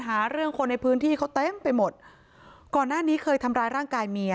หาเรื่องคนในพื้นที่เขาเต็มไปหมดก่อนหน้านี้เคยทำร้ายร่างกายเมีย